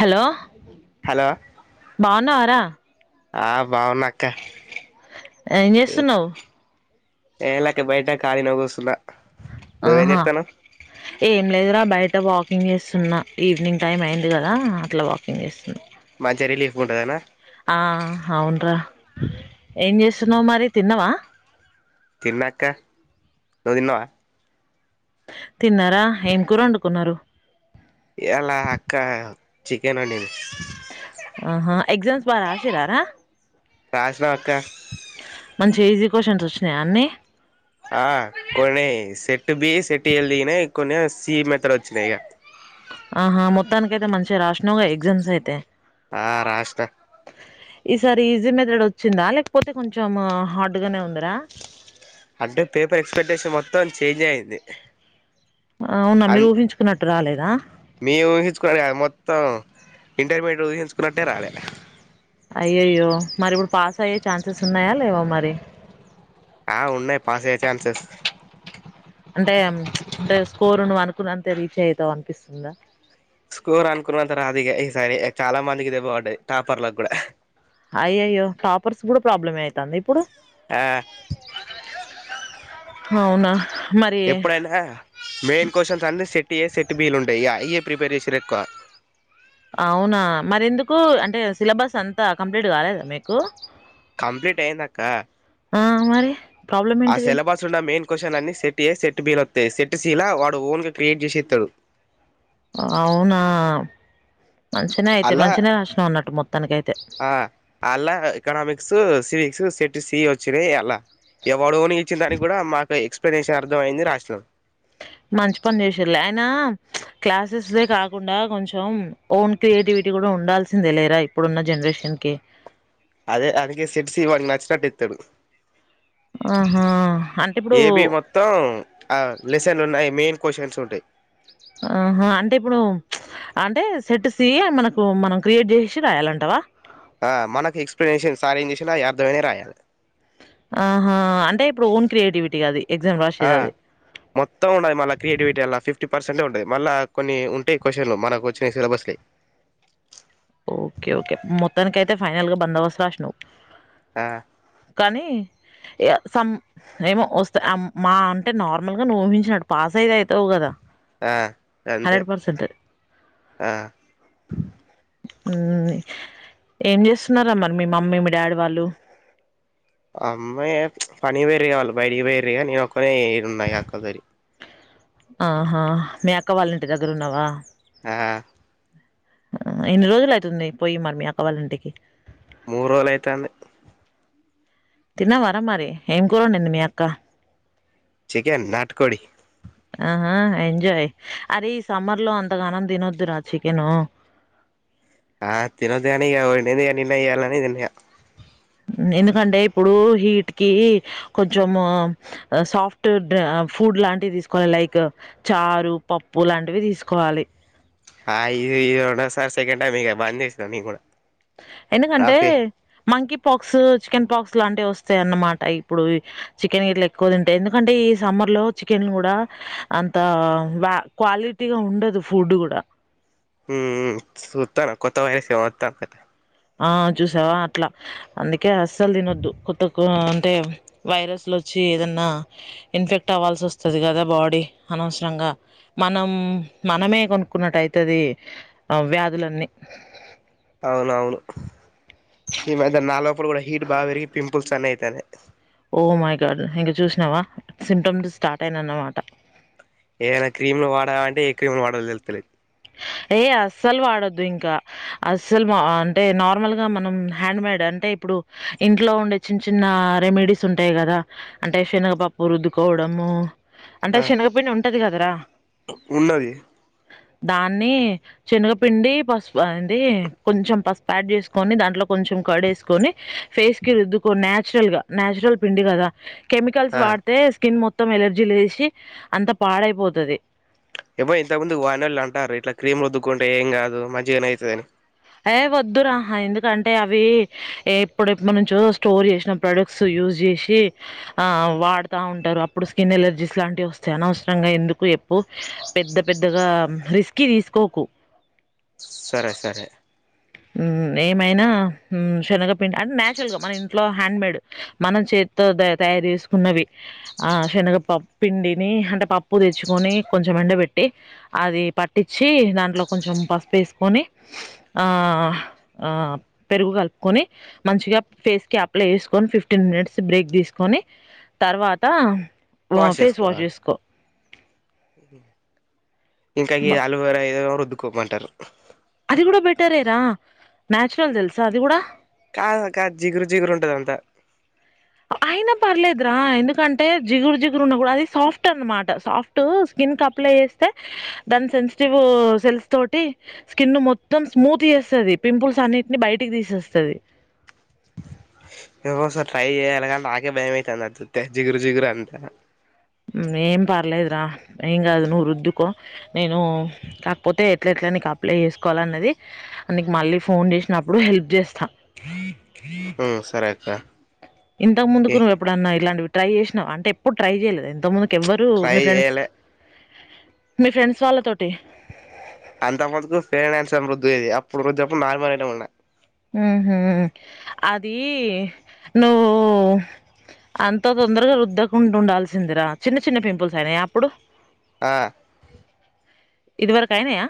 Hello hello బాగున్నావారా ఆ బావనక్క ఏం చేస్తున్నావు ఏలాకే బయట కాలకుస్తుున్నా దేవని ఆహా ఎత్తన ఏం లేదురా బయట వాకింగ్ చేస్తున్న ఈవినింగ్ టైం అయింది కదా అట్లా వాకింగ్ చేస్తున్నా మంచి రిలీఫ్గ ఉంటదనా ఆ అవున్రా ఏం చేస్తున్నావు మరి తిన్నావా తిన్నా అక్కా నువ్వు తిన్నావా తిన్నారా ఏం కూర వండుకున్నారు ఇయాలా అక్క చికెన్ వండాను ఆహా ఎగ్జామ్స్ బాగా రాసిరారా రాసినా అక్క మంచి ఈజీ క్వశ్చన్స్ వచ్చినాయా అన్నీ ఆ కొనే సెట్ బి సెట్ ఎల్ దిగినాయి కొన్ని సి మెతడు వచ్చినా ఇక ఆహా మొత్తానిక అైతే మంచిషగా రాసినగా ఎగ్జామ్స్ అయితే ఆ రాస్తా ఈ సారి ఈజీ మెథెడ్ వచ్చిందా లేకపోతే కొంచెం హార్డ్ గానే ఉంది అంటే పేపర్ ఎక్స్పెక్టేషన్ మొత్తం మత్తం చేంజ్ అయిది ఆవున మిరూహించుకున్నట్ రాలేదా మీము ఊహించుకో కదా మొత్తం ఇంటర్మీడియట్ ఊహించ చసుుకు రొట్టే రాల అయ్యయ్యో మరి ఇప్పుడు పాస్ అయ్యే ఛాన్సెస్ ఉన్నాయా లేవా మరి ఆ ఉన్నాయి్ పాస్ అయ్యే ఛాన్సెస్ అంటే అంటే స్కోరు ను అనుకున్నంతే రీచ్ అయితావు అనిపిస్తుందా స్కోర్ అన్కుతా రాదు ఇగా ఈ సారి చాలా మంది ఇది దెబ్బపడది టాపర్లాగ్ కూడా అయ్యయ్యో కాపర్స్ కూడా ప్రాబ్లం అయితాంది ఆ అవునా మరి ఎప్పుడైనా మెయిన్ క్వశ్చన్స్ అన్ని సెట్ ఏ సెట్ సెట్ బీల్ ఉంటాయి అయ్యే ప్రిపేర్ చేసిరేక్కువ అవునా మరెందుకు అంటే సిలబస్ అంతా కంప్లీట్ కాలేదా మీకు కంప్లీట్ అయిందక్క ఆ మరి ప్రాబ్లం ఆ ఏంటిది సిలబస్ ఉన్న మెయిన్ క్వశ్చన్ అన్ని సెట్య సెట్ సెట్ బీల్ వస్తాయి సెట్ సీలా వాడు ఓన్ గా క్రియేట్ చేసి ఇతాడు. అ మంచిన అయితే అల్లా మంచిన రాస్నావ్ అన్నట్టు మొత్తానికియితే ఇకనోమిక్స్ సివిక్స్ సెట్ సి వచ్చినాయి అలా ఎవాడోని ఇచ్చిన దానికి కూడా మాకు ఎక్స్ ప్రదేశ అర్థంమయింది రాష్ట్రం మంచి పని చేసిర్లే అయినా క్లాసెస్ దే కాకుండా కొంచెం ఓన్ క్రియేటివిటీ కూడా ఉండాల్సిందే లేరా ఇప్పుడున్న జనరేషన్ కి తడు ఆహా అంటే ఇప్పుడు బి మొత్తం ఆ లెసన్లు ఉన్నాయి మెయిన్ క్వశ్చన్స్ ఉంటాయి. ఆహా అంటే ఇప్పుడు ప్చ్ అంటే సెట్ సి అ మనకు మనం క్రియేట్ చేసి రాయాలంటావా. ఆ మనకు ఎక్స్ప్లెనేషన్ సార్ ఏం చేసినా అర్థమైనావి రాయాలి. ఆహా అంటే ఇప్పుడు ఓన్ క్రియేటివిటీగా అది ఎగ్జామ్ ఆ రాసేదది. మొత్తం ఉండయ్ మళ్ళ క్రియేటివిటీ అలా ఫిఫ్ [unintelligible] పర్సెట్ ఉంటది మళ్ళ కొన్ని ఉంటాయి క్వశ్చన్లు మనకొచ్చిన సిలబస్ కై ఓకే ఓకే మొత్తానికి అయితే ఫైనల్ గా బందోబస్తు రాస్నావ్ ఆ కానీ ఎ సం ఏమో వస్తా అం మా అంటే నార్మల్ గా నువ్ ఊహించినట్ పాస్ అయిదే తవు కదా ఆ అంతే హండ్రెడ్ పర్సెంట్ ఆ మ్ ఏం చేస్తున్నారా మరి మీ మమ్మీ మీ డాడీ వాళ్ళు అమ్మాయి పనికి పోయిరి వాళ్ళు బయటికి పోయిరి నేనొక్కనే ఈడున్నా ఈ అక్క దొరి ఆహా మి అక్క వాళ్ళ ఇంటి దగ్గర ఉన్నవా ఆ ఎన్ని రోజులు అయితుంది పోయి మరి మీ అక్కవాళ్ళ ఇంటికి మూ రోలు అయితాంది తిన్నావారా మరి ఏం కురొండింది మీ అక్క చికెన్ నాట్కోడి ఆహా ఎంజాయ్ అరే ఈ సమ్మర్ లో అంతగానం తినొద్దు రా చికెను ఆ తినద్దు కానీ ఇగ వండింది [unintelligible] తిన్న ఎందుకంటే ఇప్పుడు హీట్ కి కొంచెము సాఫ్ట్ డ ఫుడ్ లాంటివి తీసుకోవాలి లైక్ చారు పప్పు లాంటివి తీసుకోవాలి ఆ ఇదే ఇదే రెండో సార్ సెకండ్ టైమ్ ఇగ బంద చేస్న నేన్ కూడా ఎందుకంటే రఫీ మంకీ పాక్స్ చికెన్ పాక్స్ ఇట్లాంటివి వస్తాయ అన్నమాట ఇప్పుడు చికెన్ ఇట్లా ఎక్కువ తింటే ఎందుకంటే ఈ సమ్మర్ లో చికెన్ కూడా అంత క్వాలిటీగా ఉండదు ఫుడ్ కూడా హ్మ్ సూత్తాను కొత్త వైరస్ వత్తాను కద ఆ చూసావా అట్లా అందుకే అస్సలు తినొద్దు కొత్త అంటే వైరస్ లో వచ్చి ఏదన్నా ఇన్ఫెక్ట్ అవ్వాల్సి వస్తుంది కదా బాడీ అనవసరంగా మనం మనమే కొనుక్కున్నటైతది వ్యాధులన్నీ అవునవును ఈ మధ్య నా లోపల కూడా హీట్ బాగా పెరిగి పింపుల్స్ అనే తనే ఓ మై గాడ్ ఇంక చూసినావా సిమ్టమ్స్ స్టార్ట్ అయిన అన్నమాట ఏదైనా క్రీమ్ లు వాడా అంటే ఏ క్రీమ్ లు వాడాలో తెలుత్తలేదు ఏయ అస్సలు వాడొద్దు ఇంకా అస్సలు మా అంటే నార్మల్గా మనం హ్యాండ్ మేడ్ అంటే ఇప్పుడు ఇంట్లో ఉండే చిన్న చిన్న రెమెడీస్ ఉంటాయి కదా అంటే శనగపప్పు రుద్దుకోవడము అంటే ఆ శనగపిడి ఉంటది కదరా ఉన్నది దా ని శనగపిండి పసుపు అంది కొంచెం పసుపు యాడ్ చేసుకొని దాంట్లో కొంచెం కర్డెసుకొని ఫేస్ కి రుద్దుకో నేచురల్ గా నాచురల్ పిండి కదా కెమికల్స్ ఆ వాడితే స్కిన్ మొత్తం మొత్తం ఎలర్జీ లేసి అంత పాడైపోతది ఇవో ఇంతకు ముందు వాయినోళ్ళు అంటారు. ఇట్లా క్రీమ్ రద్దుకుంటే ఏం కాదు మంచిగానే అయితదని అయేవ్ వద్దురా ఆ ఎందుకంటే, అవి ఎ ఎప్పుడ్ ఎప్పుడు నుంచో స్టోర్ చేసిన ప్రోడక్ట్స్ యూజ్ చేసి ఆ వాడుతా ఉం అప్పుడు స్కిన్ ఎలర్జీస్ లాంటివి, వస్తే అనసరంగా ఎందుకు ఎప్పు పెద్ద పెద్దగా రీస్కీ తీస్ కోకు సరే సరే ఏమైనా శనగ అంటే నేచురల్గా మన ఇంట్లో హ్యాండ్ మేడ్ మనం చేతితో తయారు చేసుకున్నవి ఆ శనగప పిండిని అంటే పప్పు తెచ్చుకొని కొంచెం ఎండ పెట్టి అది పట్టించి దాంట్లో కొంచెం పసుపు వేసుకొని ఆ పెరుగు కలుపుకొని మంచిగా ఫేస్ క్యాప్లో వేసుకొని ఫిఫ్టీన్ మినిట్స్ బ్రేక్ తీసుకొని తర్వాత ఆ ఫేస్ వాష్ చేసుకో హు మ్మ్ ఇంకా బ గీ ఆలువేర ఏదో రుద్ ద్దుక్కోమంటారు హ్ అది కూడా బెటరేరా న్యాచురల్ తెలుసా అది కూడా కాదు కాదు జిగురు జిగురు ఉంటది అంతా అయినా పర్లేదురా ఎందుకంటే, జిగురు జిగురు ఉన్నా కూడా అది సాఫ్ట్ అనమాట, సాఫ్ట్ స్కిన్ క అప్లై చేస్తే దాని సెన్సిటివ్ సెల్స్ తోటి స్కిన్ మొత్తం స్మూత్ చేస్తది. పింపుల్స్ అన్నిటిని బయటికి తీసేస్తది. ఏమో ఒసారి ట్రై చేయ్యలా కాన్ నాకే భయమైతంది. అది జూత్తే జిగురు జిగురు అంత మ్మ్ ఏం పర్లేదురా ఏం కాదు. నువ్వు రుద్దుకో నేను కాకపోతే, ఎట్లా ఎట్లా నీకు అప్లై చేసుకోవాల అన్నది. నీకు మళ్ళీ ఫోన్ చేసినప్పుడు హెల్ప్ చేస్తా. హు మ్మ్ సరే అక్క ఇంతకు ఏ ముందుకు నువ్వు ఎప్పుడన్నా ఇలాంటివి ట్రై చేసినావ్ అంటే ఎప్పుడు ట్రై చేయలేద ఎంతముందికి కేవ్వరు ట్రై మీ ఫ్రెండ్స్ చేయాలే మీ ఫ్రెండ్స్ వాళ్ళ తోటి అంత ముందుకు [unintelligible] అప్పుడు రుద్దెప్పుడు నార్మల్ అ వెటమ్ ఉన్డా హు మ్మ్ ఉ ఉ అది నువ్వు అంత తొందరగా రుద్దకుండా ఉండాల్సిందిరా, చిన్న చిన్న పింపుల్స్ అయినాయి అప్పుడు ఆ ఇది వరకయైనయా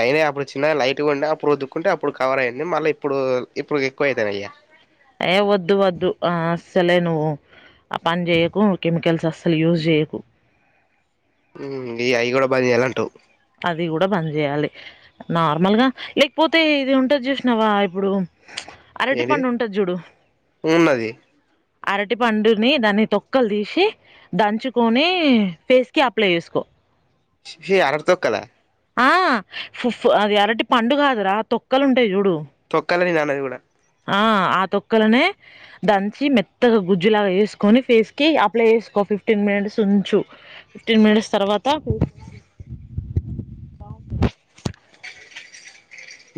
అయినయి అప్పుడు చిన్న లైట్ ఉండే అప్పుడు ఉతుక్కుంటే అప్పుడు కవర్ అయింది మళ్ళీ ఇప్పుడు ఇప్పుడు ఎక్కువ అవుతాన అయ అయే వద్దు వద్దు ఆ అస్సలే నువ్వు ఆ పని చేయకు కెమికల్స్ అస్సలు యూజ్ చేయకు హ్మ్ ఈ అయి కూడా బంద్ చేయాలంటావ్ అది కూడా బంద్ చేయాలి నార్మల్ గా లేకపోతే ఇది ఉంటది చూసినావా ఇప్పుడు ఏంటిది అరటిపండు ఉంటది ఉన్నది అరటి పండుని దాన్ని తొక్కలు తీసి దంచుకొని ఫేస్కి అప్లై చేసుకో ఛీ ఛీ అరటి తోక్క లా ఆ ఫు అది ఆరటి పండు కాదురా తొక్కలు ఉంటాయి చూడు తొక్కలని నా ది కూడా ఆ ఆ తొక్కలనే దంచి మెత్తగా గుజ్జులాగా వేసుకొని ఫేస్ కి అప్లై చేసుకో ఫిఫ్టీన్ మినిట్స్ ఉంచు ఫిఫ్టీన్ మినిట్స్ తర్వాత ఫేస్ వాష్ చేసుకో బాగుంటది.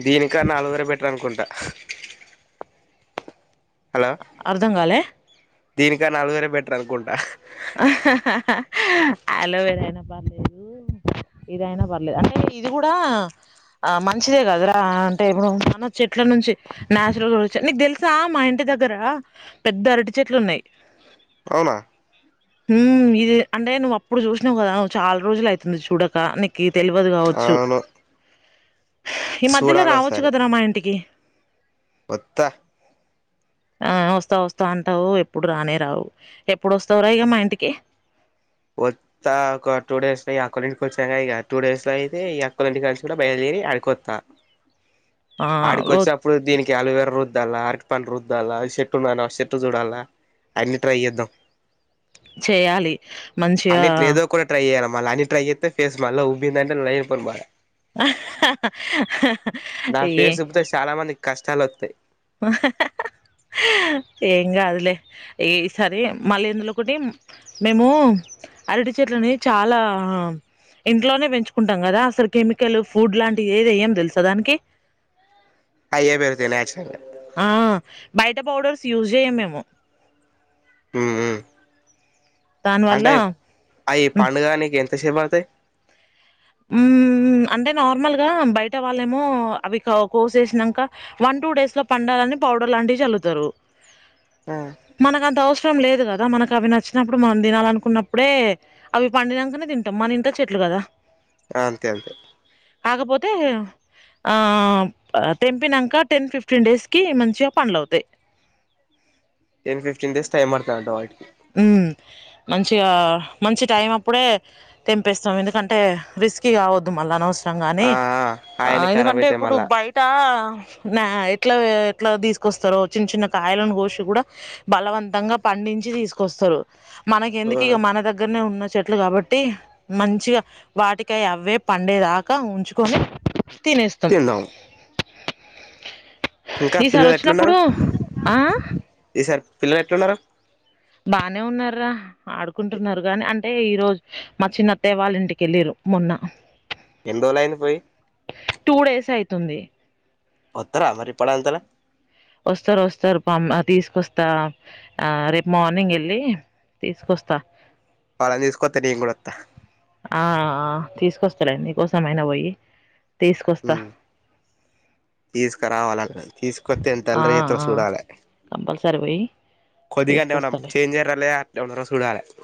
దీనికన్నా ఆలవేరా బెటర్ అనుకుంటా [unintelligible] అర్థం కాలే దీనికాన్న ఆలువేర బెటర్ అనుకుంటా అలోవేర అయినా పర్లేదు ఇదయినా పర్లేదు అంటే ఇది కూడా ఆ మంచిదే కదురా అంటే ఇప్పుడు మన చెట్ల నుంచి నేచురల్గా వచ్చా నీకు తెలి తెలుసా మా ఇంటి దగ్గరా పెద్ద అరటి చెట్లు ఉన్నాయి అవునా హు ఇది అంటే నువ్వు అప్పుడు చూసినావు కదా చాలా రోజులు అయితుంది చూడక నీకు తెలివదు కావచ్చు అవును ఈ మధ్యలో చూడాలి రావచ్చు కదార మా ఇంటికి ఓత్త ఆ వస్తా వస్తా అంటావు ఎప్పుడు రానే రావు ఏ ఏప్పుడు వస్తవురా ఇగా మా ఇంటికి ఓత్త ఒక టూ డేస్ లో అక్క ల్లు డింటికి వచ్చాగా ఇక టూ డేస్ లో అయితే ఈ అక్కఒళ్ళింటికానించి బయలుదేరి అడికొత్తా ఆ! ఆడికి రో వచ్చినప్పుడు దీనికి ఆల్వేరా ర రుద్దాలా అరటి పండు రుద్దాలా చెట్టు ఉంది అన్నావ్ చెట్టు చూడాలా అన్ని ట్రై చేద్దాం. చేయాలి మంచిగా అన్నింటి లేదో కూడా ట్రై అయ్యాలమ్ మ అని ట్రై చేస్తే ఫేస్ మల్లా ఉబ్బిందంటే [inaudible] నా ఏ ఫేస్ ఉబ్బితే చాలా మందికి కష్టాలు ఒత్తయి ఏం కాదులే ఈ సరి మళ్ళీ అందులో ఒకటి మేము అరటి చెట్లని చాలా ఇంట్లోనే పెంచుకుంటాం కదా అసలు కెమికల్ ఫుడ్ లాంటివి ఏదియ్యాం తెలుసా దానికి అయ్యే పేరుగుతాయి నేచరల్ గా ఆ బయట పౌడర్స్ యూస్ చెయ్యం మేము హు హు దాని వల్ల అంటే అవి పాండుగానికి ఎంత ఎంత సేపు పడ్తది ఉ అంటే నార్మల్గా బయట వాళ్ళేమో అవి కోసేసినాక వన్ టూ డేస్ లో పండాలని పౌడర్ లాంటివి చల్లువుతారు మనకంత అవసరం రం లేదు కదా మనకు అవి నచ్చినప్పుడు మనం తినాలనుకున్నప్పుడే అవి పండినంకనే తింటాం మన ఇంట్లో చెట్లు కదా అంతే అంతే కాకపోతే ఆ తెంపినంక టెన్ ఫిఫ్టీన్ డేస్కి మంచిగ పండ్లు అవుతాయి టెన్ ఫిఫ్టీన్ డేస్ టైం పడతాదంట వాటికి హ్మ్ మంచిగా మంచి టైం అప్పుడే తెంపేస్తాం ఎందుకంటే రిస్కీ కావద్దు మళ్ళా అనవసరం గానీ ఆ ఆ ఆయన్ని ఖరాబ్ ఎందుకంటే అయితాయి ఇప్పుడు మళ్ళా బయట మ్య ఎట్లా ఎట్లా తీసుకొస్తారో చిన్న చిన్న కాయలను కోసి కూడ బలవంతంగా పండించి తీసుకొ కొస్తరు మనకి ఎందుకు ఇగ మన దగ్గరనే ఉన్న చెట్లు కాబట్టి మంచిగ వాటికయి అవే పండేదాకా ఉంచుకొని తినేస్తాం తిందాం ఇంకా ఈసారి పిల్లలు ఎట్లున్నారు వచ్చినప్పుడు ఆ ఈసారి పిల్లలు ఎట్లున్నారు బానే ఉన్నారా ఆడుకుంటున్నారు గాని అంటే ఈరోజు మా చిన్నత్తయ్య వాళ్ళ ఇంటికెల్లిరు మొన్న ఎన్ని రోజులయింది పోయి టూ డేస్ అయితుంది తర మరి పడ అంతల వస్తారు వస్తారు పామ్ నా తీసుకొస్తా ఆ రేపు మార్నింగ్ ఎళ్ళి తీసుకొస్తా వాళ్లని తీసుకొత్త నేనుకుడోత్త ఆ ఆ తీసుకొస్తలే నీకోసం అయినా పోయి తీసుకొస్తా ఉం తీసుకరావాల తీసుకొత్తే ఎంత ఆ అల్లరి చెత్తారో ఆ చూడాలి కంపల్సరీ పోయి కొద్దిగాంటే ఏమన్నా తీసుకొస్తాలే చేంజ్ అయ్యిర్ర లే అట్లే ఉన్నారో చూడాలి